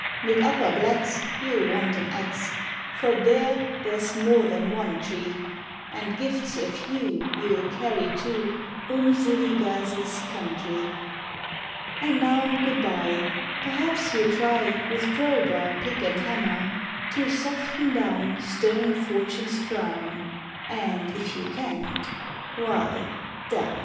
Mid upper blacks you'll want an axe, For there there's more than one tree; And gifts a few you'll carry to Umziligazi's country. And now, good bye, perhaps you'll try With crowbar, pick, and hammer, To soften down stern Fortune's frown, And if you can't, why, d r.